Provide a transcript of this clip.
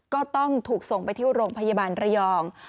ก็ต้องถูกส่งไปที่โรงพยาบาลระยอง